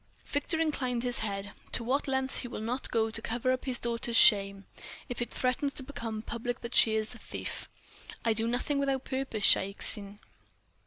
Victor inclined his head. "To what lengths will he not go to cover up his daughter's shame, if it threatens to become public that she is a thief? I do nothing without purpose, Shaik Tsin."